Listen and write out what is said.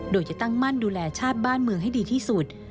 โดยจะตั้งมั่นดูแลชาติบ้านเมืองให้ดีที่สุด